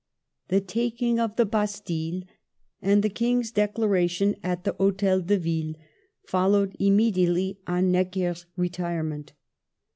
The taking of the Bastille, and the King's dec laration at the Hdtel de Ville, followed immedi ately on Necker's retirement.